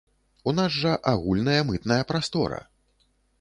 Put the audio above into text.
У нас жа агульная мытная прастора!